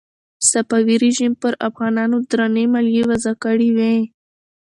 صفوي رژیم پر افغانانو درنې مالیې وضع کړې وې.